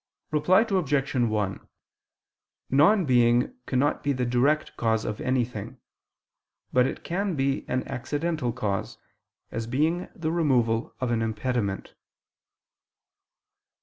Reply Obj. 1: Non being cannot be the direct cause of anything: but it can be an accidental cause, as being the removal of an impediment.